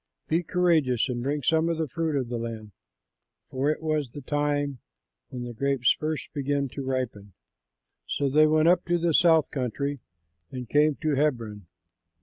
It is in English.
Be courageous and bring some of the fruit of the land," for it was the time when the grapes first begin to ripen. So they went up to the South Country and came to Hebron.